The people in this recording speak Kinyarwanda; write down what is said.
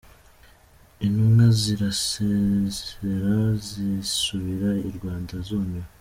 Intumwa zirasezera zisubira i Rwanda zumiwe.